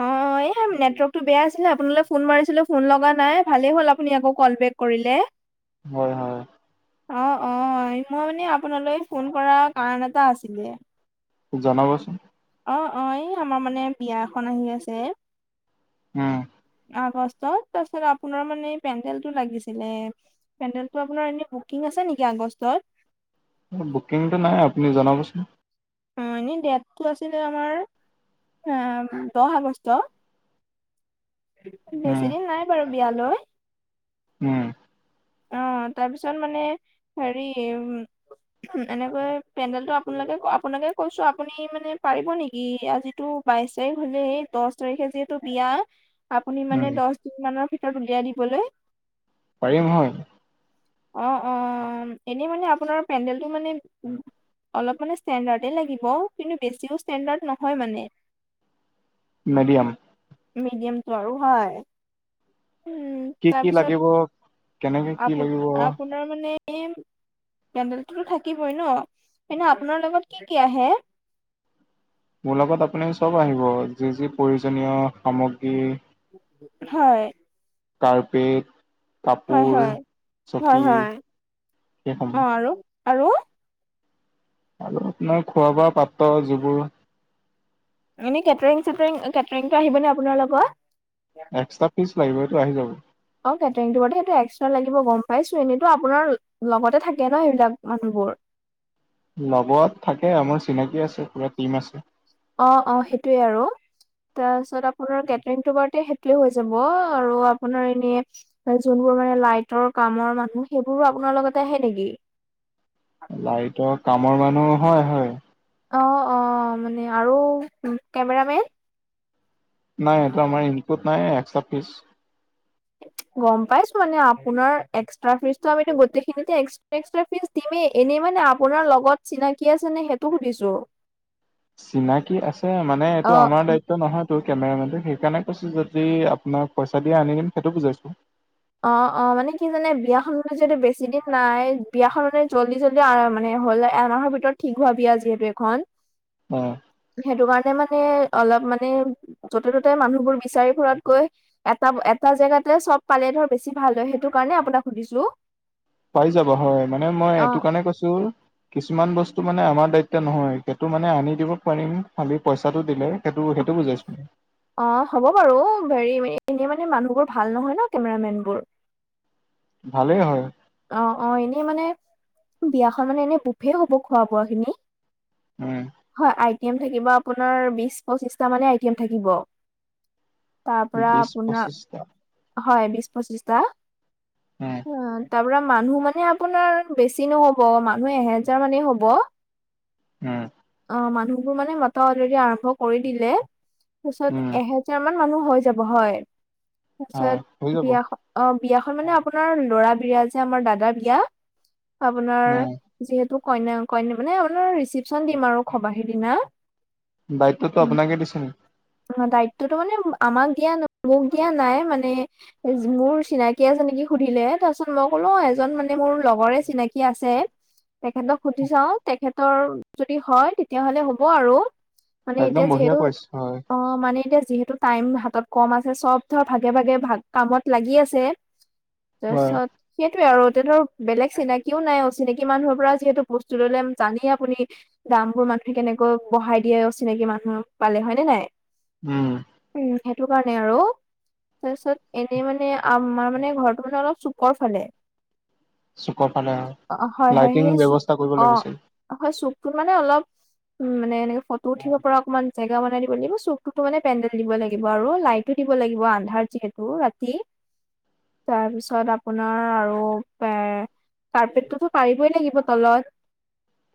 অ', নেটৱৰ্কটো বেয়া আছিলে আপুনালৈ ফোন মাৰিছিলোঁ ফোন লগা নাই ভালে হ'ল আপুনি আকৌ ক'ল বেক কৰিলে। হয়, হয়। অ', অ', মই মানে আপোনালৈ ফোন কৰাৰ কাৰণ এটা আছিলে। জনাবচোন। অ', অ', এই আমাৰ মানে বিয়া এখন আহি আছে। উম। আগষ্টত তাৰপিছত আপোনাৰ মানে পেণ্টেলটো লাগিছিলে। পেণ্ডেলটো আপোনাৰ এনে বুকিং আছে নেকি আগষ্টত। বুকিংটো নাই আপুনি জনাবচোন। অ', এনে ডেটটো আছিলে আমাৰ অ', দহ আগষ্ট বেছি উম দিন নাই বাৰু বিয়ালৈ। উম। অ', তাৰপিছত মানে হেৰি উ এনেকৈ পেণ্ডেলটো আপোনালোকে আপোনালোকে কৈছোঁ আপুনি মানে পাৰিব নেকি আজিটো বাইশ তাৰিখ হ'লে দচ তাৰিখে যিহেতু বিয়া আপুনি উম মানে দচ দিন মানৰ ভিতৰত উলিয়াই দিবলৈ পাৰিম হয়। অ', অ', এনেই মানে আপোনাৰ পেণ্ডেলটো মানে অলপ মানে ষ্টেণ্ডাৰ্ডে লাগিব কিন্তু বেছিও ষ্টেণ্ডাৰ্ড নহয় মানে। মিডিয়াম। মিডিয়ামটো আৰু হয়। উম। কি, কি তাৰপিছত লাগিব কেনেকে কি লাগিব আৰ মানে পেণ্ডলটোতো থাকিবই ন কিন্ত আপোনাৰ লগত কি, কি আহে। মোৰ লগত আপুনি চব আহিব যি, যি প্ৰয়োজনীয় সামগ্ৰী হয়। কাৰপেট হয়, হয়, হয়, হয়, অ', সেইসমূহ আৰু, আৰু আৰু আপোনাৰ খোৱা, বোৱা পাত্ৰ যিবোৰ এনেই কেটাৰিং চেটং কেটৰিং টো আহিবনে আপোনাৰ লগত? এক্সট্ৰা ফিজ লাগিব এইটো আহি যাব। অ', কেটাৰিং টো ব সেইটো এক্সট্ৰা লাগিব গ'ম পাইছো এনেইটো আপোনাৰ লগতে থাকে ন সেইবিলাক মানুহবোৰ। লগত থাকে আমাৰ চিনাকি আছে পুৰা টিম আছে। অ', অ', সেইটোয়ে আৰু। তাৰপিছত আপোনাৰ কেটাৰিংটো বাৰু সেইটোৱে হৈ যাব আৰু আপোনাৰ এনে যোনবোৰ মানে লাইটৰ কামৰ মানুহ সেইবোৰো আপোনাৰ লগতে আহে নেকি? লাইটৰ কামৰ মানুহ হয়, হয়। অ', অ', মানে আৰু কেমেৰামেন। নাই এইটো আমাৰ ইনক্লুড নাই এক্সট্ৰা ফিচ। গ'ম পাইছো মানে আপোনাৰ এক্সট্ৰা ফিজটো আমিটো গোটখিনিতে এক্স এক্সট্ৰা ফিজ দিমেই, এনেই মানে আপোনাৰ লগত চিনাকি আছে নে, সেইটো সুধিছোঁ। চিনাকি আছে। মানে এইটো আমাৰ অ দায়িত্ব নহয় টো কেমেৰামেনটো সেইকাৰণে কৈছো, যদি আপোনাৰ পইচা দিয়ে আনি দিম, সেইটো বুজাইছোঁ। অঁ অঁ মানে কি জানে, বিয়াখন যিহেতু বেছি দিন নাই বিয়াখন মানে জল্দি জল্দি [unintelligible] মানে হ'ল এমাহৰ ভিতৰত ঠিক হোৱা বিয়া, যিহেতু এখন। ওম। সেটো কাৰণে মানে অলপ মানে। য'তে ত'তে মানুহবোৰ বিচাৰি ফুৰাত কৈ, এটা এটা জেগাতে চব পালে ধৰ বেছি ভাল হয়, সেইটো কাৰণে আপোনাক সুধিছো। পাই যাবা হয়, মানে মই এটো অ'। কাৰণে কৈছো কিছুমান বস্তু মানে আমাৰ দায়িত্ব নহয়, সেটো মানে আনি দিব পাৰিম, খালি পইচাটো দিলে সেটো সেটো বুজাইছো ওম অঁ হ'ব বাৰু হেৰি এনেই মানে মানুহবোৰ ভাল নহয় ন' কেমেৰামেনবোৰ ভালেই হয়। অঁ অঁ এনেই মানে, বিয়াখন মানে এনেই বুফেই হ'ব খোৱা বোৱা খিনি। উম হয় আইটিএম থাকিব আপোনাৰ বিশ পঁচিশ টা মানে আইটিএম থাকিব। তাৰ পৰা বিশ আপোনাৰ, পঁচিছটা হয় বিশ, পঁচিছটা। উম। তাৰ পৰা মানুহ মানে আপোনাৰ বেছি নহ'ব, মানুহ এহেজাৰ মানেই হ'ব। উম অঁ, মানুহবোৰ মানে মাতা অলৰেডি আৰম্ভ কৰি দিলে, তাৰছত উম এহেজাৰ মান মানুহ হৈ যাব হয়। হয় হৈ তাৰছত যাব বিয়াখন অঁ বিয়াখন মানে আপোনাৰ ল'ৰা বিয়া যে আমাৰ দাদাৰ বিয়া, আপোনাৰ উম যিহেতু কইনাই কইনা মানে আপোনাৰ ৰিচিপচন দিম আৰু খবাহিৰ দিনা। দায়িত্বটো আপোনাকে দিছে নি? অঁ, দায়িত্বতো মানে আমাক দিয়া, মোক দিয়া নাই মানে এ মোৰ চিনাকি আছে নেকি সুধিলে, তাৰছত মই ক'লো অঁ এজন মানে মোৰ লগৰে চিনা- -কি আছে। তেখেতক সুধি চাওঁ, তেখেতৰ যদি হয় তেতিয়াহ'লে হ'ব আৰু। একদম বঢ়িয়া কৰিছ, হয়। অঁ মানে এতিয়া যিহেতু টাইম হাতত কম আছে, চব ধৰ ভাগে ভাগে ভাগ কামত লাগি আছে। হয় তাৰছত সেইটোৱে আৰু এতিয়াটো আৰু বেলেগ চিনাকিও নাই অচিনাকি মানুহৰ পৰা যিহেতু বস্তু ল'লে জানেই আপুনি দাম বোৰ মানুহে কেনেকৈ বঢ়াই দিয়ে, অচিনাকি মানুহ পালে হয় নে নাই? উম। উম, সেটো কাৰণে আৰু তাৰছত এনেই মানে আমাৰ মানে ঘৰতো মানে অলপ চুকৰ ফালে। চুকৰ ফালে হয়, অ', হয়, হয়, লাইটিং সেই চু ব্যৱস্থা কৰিব অ', লাগিছিল। হয় চুকটোত মানে অলপ উম মানে এনেকে ফটো উঠিব পৰা অকমান জেগা বনাই দি ব চুকটোতো মানে পেণ্ডেল দিব লাগিব আৰু লাইটো দিব লাগিব, আন্ধাৰ যিহেতু ৰাতি। তাৰপিছত আপোনাৰ আৰু পে কাৰ্পেটটোতো পাৰিবই লাগিব তলত।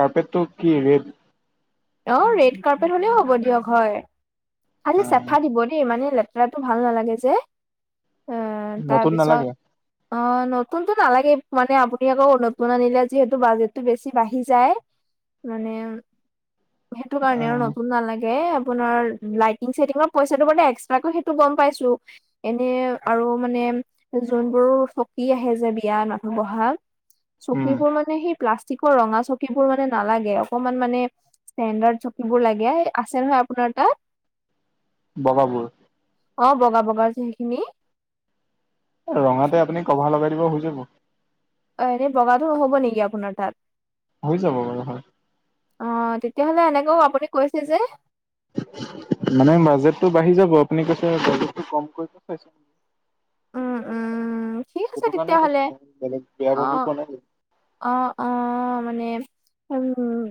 কাৰ্পেটটো কি ৰেড? অঁ ৰেড কাৰ্পেট হ'লেও হ'ব দিয়ক হয়। খালি চেফা দিব দেই মানে লে -তেৰাটো ভাল নালাগে যে, এ নতুন তাৰপিছত নালাগে অ নতুনটো নালাগে মানে আপুনি আকৌ নতুন আনিলে যিহেঁতু বাজেটটো বেছি বাঢ়ি যায়। মানে সেইটো কাৰণে আৰু নতুন নালাগে আপোনাৰ লাইটিং চাইটিঙৰ পইছাটো মানে এক্সট্ৰাকৈ সেইটো গম পাইছোঁ। এনে আৰু মানে যোনবোৰ চকী আহে যে বিয়াৰ মানুহ বহা উম চকীবোৰ মানে সেই প্লাষ্টিকৰ ৰঙা চকীবোৰ মানে নালাগে। অকনমান মানে ষ্টেণ্ডাৰ্ড চকীবোৰ লাগে, আছে নহয় আপোনাৰ তাত। বগাবোৰ। অ বগা বগা যে যোনখিনি ৰঙাতে আপুনি কভাৰ লগাই দিব হৈ যাব। অ এনেই বগাতো নহ'ব নেকি আপোনাৰ তাত। হৈ যাব বাৰু হয়। অ তেতিয়াহলে এনেকেও আপুনি কৈছে যে। মানে বাজেটটো বাঢ়ি যাব আপুনি কৈছে বাজেটো কম কৰি চাই উম উম। ঠিক আছে সেইটো কাৰণে তেতিয়াহ'লে। কৈছো বেলেগ বেয়া অ', ভাবি কোৱা নাই। অ অ মানে উম।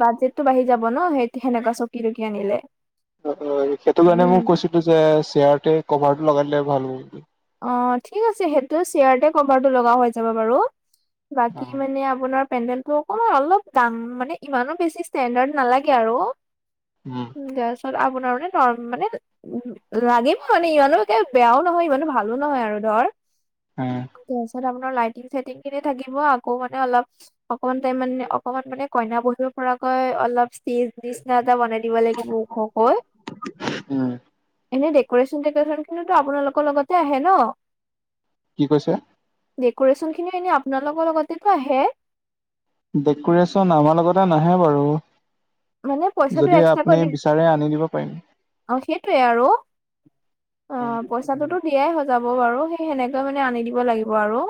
বাজেটটো বাঢ়ি যাব ন সেই সেনেককা চকী কি আনিলে। সেইটো কাৰণে উম, মই কৈছিলো যে চেয়াৰট কভাৰটো লগাই দিলে ভাল হ'ব বুলি। অ ঠিক আছে সেইটো চেয়াৰতে কভাৰটো লগা হৈ যাব বাৰু বাকী মানে আপোনাৰ পেন্ডেলটো অকমান অলপ দাম মানে ইমানো বেছি ষ্টেণ্ডাৰ্ড নালাগে আৰু। উম। তাৰ পাছত আপোনাৰ মানে ন মানে লাগিব মানে ইমানো একে বেয়াও নহয়, ইমানো ভাল [unintelligible] লো আৰু ধৰ [unintelligible] ত আপোনাৰ লাইটিং চাইটিং খিনি থাকিব আকৌ মানে অলপ অকমান তাই মানে অকনমান মানে কইনা বহুৰ পৰাকৈ অলপ ষ্টেজ নিচিনা এটা বনাই থাকিব লাগিব ওখ কৈ। উম এনে ডেক'ৰেশচন টেকৰেশচন খিনিো আপোনালোকৰ লগতে আহে ন। কি কৈছে? ডেক'ৰেশ্যন খিনিও এনে আপোনালোকৰ লগতেতো আহে। ডেকোৰে্যন আমাৰ লগতে নাহে বাৰু। মানে পইচাটো যদি আপুনি এক্সট্ৰাকৈ, বিচাৰে আনি দিব পাৰিম অ সেইটোৱে আৰু। অ পইচাটোতো দিয়াই সজাব বাৰু সেই সেনেকে মানে আনি দিব লাগিব আৰু।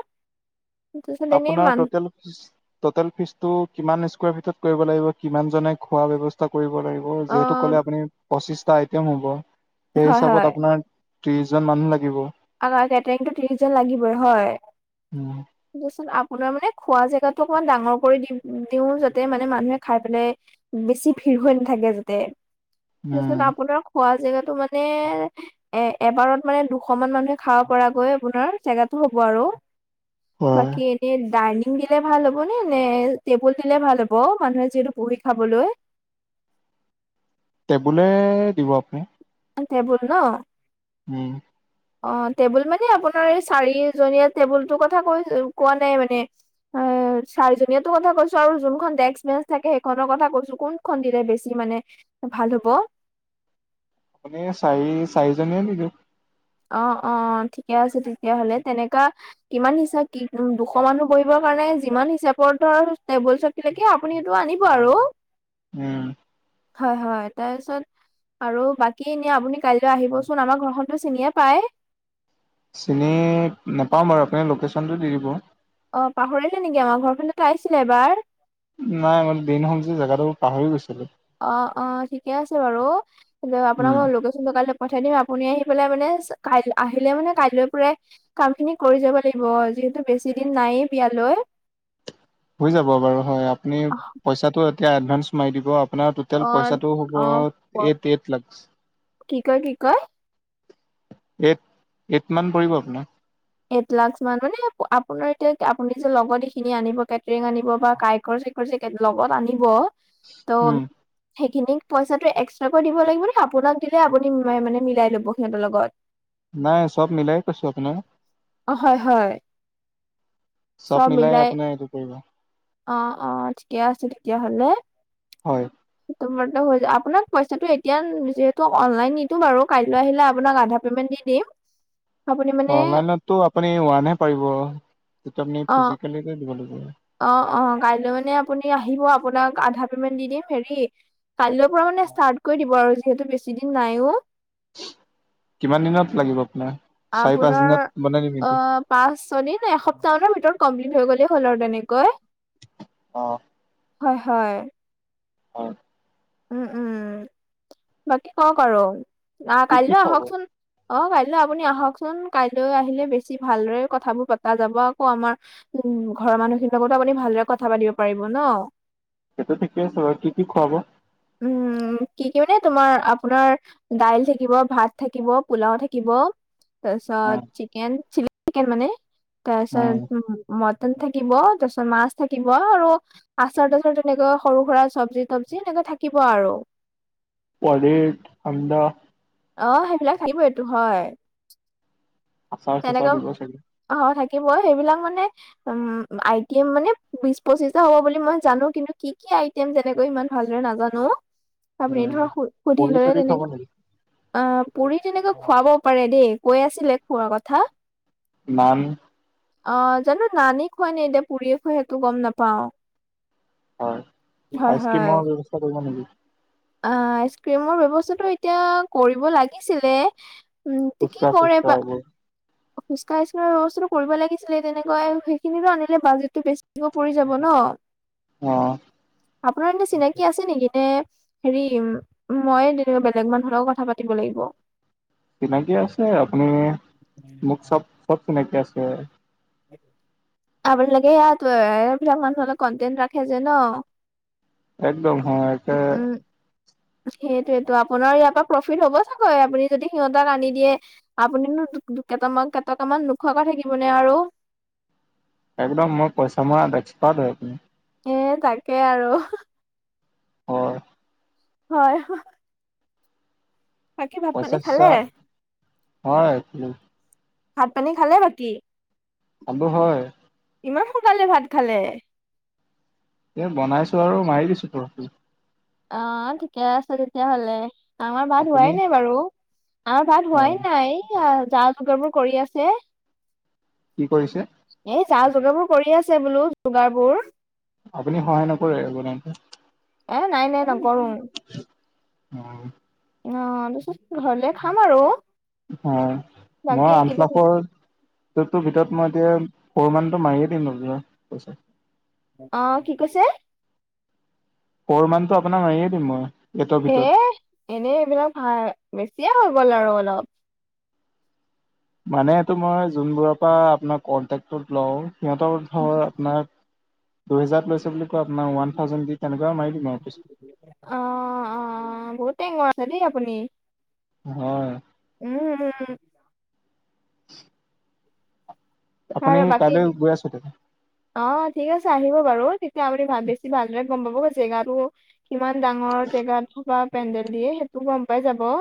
তাৰপিছত এনেই আপোনাৰ মান টটেল। টটেল ফিজ টো কিমান স্কুৱাৰ ফিটত কৰিব লাগিব, কিমান জনে খোৱা ব্যবস্থা কৰিব লাগিব। অ যিহেঁতু কলে আপুনি পচিশঁটা আইম হ'ব, সেই হয় হিচাপত হয়। আপোনাৰ ত্ৰিশ জন মানুহ লাগিব। আমাৰ কেটাৰিংটো ত্ৰিশজন লাগিবই হয়। উম দিয়াচোন আপোনাৰ মানে খোৱা জেগাতো অকমান ডাঙৰ কৰি দি দিওঁ, যাতে মানে মানুহে খাই পেলাই বেছি ভিৰ হৈ নাথাকে যাতে। তাৰপিছত উম আপোনাৰ খোৱা জেগাতটো মানে এ এবাৰত মানে দু শ অকমান মানুহে খাব পৰা গৈ আপোনাৰ জেগাটো হ'ব আৰু হয় বাকী এনে বহিলে ভাল হ'ব নে, নে টেবুল দিলে ভাল হ'ব, মানুহে যিহেঁতু বহি খাবলৈ হয় টেবুলে দিব আপুনি। টেবুল ন। উম অ টেবুল মানে আপোনাৰ এই চাৰিজনীয়া টেবুল টো কথা কৈ কোৱা নাই মানে এ চাৰিজনীয়াতো কথা কৈছো আৰু যোনখন ডেস্ক বেঞ্চ থাকে সেইখনৰ কথা কৈছো কোন খন দিলে বেছি মানে ভাল হ'ব মানে চাৰি চাৰিজনীয়ে নিদো অ অ অ ঠিকে আছে তেতিয়াহ'লে তেনেকা কিমান হিচাপ কি উম দুশ মানুহ বহিবৰ কাৰণে যিমান হিচাপৰ ধৰ টেবুল থাকিলেকে আপুনি এইটো আনিব আৰু উম হয় হয় তাৰপিছত আৰু বাকী এনে আপুনি কাইলৈ আহিবচোন আমাৰ ঘৰখনতো চিনিয়ে পায় চিনি নাপাওঁ বাৰু আপুনি লোকেশ্যনটো দি দিব অ পাহৰিলে নেকি আমাৰ ঘৰফালেটো আহিছিলে এবাৰ নাই মই দিন হ'ল যে জেগাটোৰ পাহৰি গৈছো অ অ ঠিকে আছে বাৰু হলেও আপোনাৰ উম মই লোকেশ্যন কাইলৈ পঠাই দিম আপুনি আহি পেলাই মানে কাই আহিলে মানে কাইলৈ পৰাই কাম খিনি কৰি যাব লাগিব যিহেতু বেছি দিন নায়েই বিয়ালৈ হৈ যাব বাৰু হয় আপুনি পইচাটো এতিয়া এডভাঞ্চ মাৰি দিব আপোনাৰ টোটেল অ', পইচাটো হ'ব অ', প- এইট এইট লাখ কি কয় কি কয় এইট এইট মান পৰিব আপোনাৰ। এইট লাখ মান মানে আপোনাৰ এতিয়া আপুনি যে লগত এইখিনি আনিব কেটৰিং আনিব বা কাৰিকৰ চব যে লগত আনিব ত উম সেইখিনিক পইচাটো এক্সট্ৰাকৈ দিব লাগিব নে আপোনাক দিলে, আপুনি মানে মিলাই ল'ব সিহঁতৰ লগত। নাই চব মিলাই কৈছো আপোনাক। অ হয় হয় চব মিলাই। আপোনাৰ এইটো পৰিব অ অ ঠিকে আছে তেতিয়াহলে। হয়। তোমাৰটো হৈ যাব আপোনাক পইচাটো এতিয়া যিহেতু অনলাইন নিদো বাৰু কাইলৈ আহিলে আপোনাক আধা পেমেণ্ট দি দিম। আপুনি মানে অনলাইনতো আপুনি ওৱানহে পাৰিব আপুনি অ ফিজিকেল দিব লাগিব। অ অ কাইলৈ মানে আপুনি আহিব আপোনাক আধা পেমেণ্ট দি দিম হেৰি কালৈৰৰ পৰা মানে ষ্টাৰ্ট কৰি দিব আৰু যিহেতু বেছি দিন নাইও। ওচ কিমান দিনত লাগিব আপোনাৰ চাৰি পাঁচ আপোনাৰ দিনত বনাই দিম অ নেকি পাঁচ ছদিন এসপ্তাহ মানৰ ভিতৰত কমপ্লিট হৈ গ'লেই হ'ল আৰু তেনেকৈ অ হয় হয়। হয় উম উম বাকী কওক আৰু আহ কি কি কাইলৈ খুৱাব আহকচোন। অ কাইলৈ আপুনি আহকচোন কাইলৈ আহিলে বেছি ভালদৰে কথাবোৰ পতা যাব আকৌ আমাৰ উম ঘৰৰ মানুহখিনিৰ লগতো আপুনি ভালদৰে কথা পাতিব পাৰিব ন। সেইটো ঠিকে আছে বাৰু কি কি খুৱাব উম কি কি মানে তোমাৰ আপোনাৰ দাইল থাকিব, ভাত থাকিব, পোলাও থাকিব। তাৰপিছত চিকেন, চিলি চিকেন মানে তাৰপিছত উম ম কেন থাকিব, তাৰ পিছত মাছ থাকিব, আৰু। আচাৰ তাচাৰ তেনেকে সৰু সুৰা চব্জি- তবজি এনেকে থাকিব আৰু। পনিৰ আন্দা অ', সেইবিলাক থাকিবৈটো হয়। আছাৰ তেনেকৈ চাচাৰ দিব চাগে? অ', থাকিব। সেইবিলাক মানে, উম। আইটেম মানে বিছ পঁচিছটা হব বুলি মই জানো। কিন্তু কি কি আই তেনেকৈ ইমান ভালদৰে নাজানো। তথাপি উম, সুধিল পুৰি লৈ চুৰি খাব তেনেক নেকি? আ পুৰি তেনেকৈ খুৱাব পাৰে দেই। কয় আছিলে খোৱা কথা। ইমান অ, জানো নানে খুৱাই নে এতিয়া পুুৰীয়ে খোৱাই সেইটো গম নাপাও। হয়। হয় আইচ ক্ৰীমৰ ব্যৱস্থা কৰিব নিকি? অ'আইচক্ৰীমৰ ব্যৱস্থাটো এতিয়া কৰিব লাগিছিলে। উম পুস্কা চুচকা এইবোৰ। পুষ্কা সুস্কা ব্যৱস্থাটো কৰিব লাগিছিলে। তেনেকৈ সেইখিনিতো আনিলে বাজেটটো বেছিকে পৰি যাব ন। [inaudible] অ'। আপোনাৰ কি চিনাকি আছে নেকি? নে হেৰি, মই তেনেকুৱা বেলেগ মানুহৰ লগত কথা পাতিব লাগিব? চিনাকি আছে আপুনি মোক চব- চব চিনাকি আছে। আপোনালোকে সেয়াট সেইবিলাক মানুহৰ অলপ কণ্টেণ্ট ৰাখে যে ন? একদম হয়। এটে সেইটোয়েইটো আপোনাৰ ইয়াৰ পৰা প্ৰফিট হ'ব চাগৈ আপুনি যদি সিহঁতক আনি দিয়ে। আপুনিনো দুট কেইটামান-কেইটকামান নোখোৱাকৈ থাকিবনে আৰু? একদম মই পইচা মৰাত এক্সপাৰ্ট হয়। এ, তাকে আৰু। হয়। হয়। বাকী ভাত পানী পইচা খালে চইছা হয় ভাত পানী খালে বাকী। আবো হয় ইমান সোনকালে ভাত খালে। এ বনাইছো আৰু মাৰি দিছো পোৰককেনে অ, ঠিকে আছে তেতিয়াহ'লে। আমাৰ ভাত আপুনি হোৱাই নাই বাৰু, আমাৰ ভাত হোৱাই অ', নাই যা যোগাৰ বোৰ কৰি আছে। কি কৰিছে? এই যা যোগাৰ বোৰ কৰি আছে বোলো যোগাৰ বোৰ। আপুনি সহায় নকৰে আৰু বনাই কৰাত এ নাই নাই নকৰো। অ,। অ তাৰপিছত ঘৰলে খাম আৰু। অ, বাকী মই এইকেইদিন আঠলাখৰ। টোৰ ভিতৰত এতিয়া ফৰ মানটো মাৰিয়ে দিম ওলিয়াই পইছা অ, কি কৈছে? ফৰ' মানটো আপোনাৰ মাৰিয়ে দিম মই। এইটৰ এ, ভিতৰত এনেই এইবিলাক ভাল বেছিয়ে হৈ গ'ল আৰু অলপ। মানে এইটো মই যোনবোৰৰ পৰা আপোনাৰ কন্টেকতো লওঁ সিহঁতৰ- হয় আপোনাক দুহেজাৰত লৈছো বুলি কয় আপোনাক ওৱান থাউজেণ্ড দি তেনেকুৱা মাৰি দিম আৰু পইচা। অঁ অঁ বহুত টেঙৰ আছে দেই আপুনি। হয়। উম উম উম'। [unintelligible] আপুনি আৰু বাকী- কাইলৈ গৈ আছে তে অঁ ঠিক আছে আহিব বাৰু তেতিয়া আপুনি বেছি ভালদৰে গম পাব জেগাটো- কিমান ডাঙৰ জেগা অথবা পেণ্ডেল দিয়ে সেইটোও গম পাই যাব।